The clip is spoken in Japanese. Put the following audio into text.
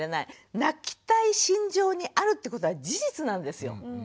泣きたい心情にあるってことは事実なんですよ。